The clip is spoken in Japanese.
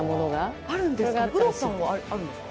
有働さんはあるんですか？